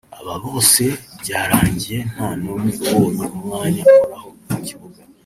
Aba bose byarangiye nta n’umwe ubonye umwanya uhoraho mu kibuga